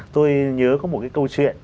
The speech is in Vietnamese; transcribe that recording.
tôi nhớ có một cái câu chuyện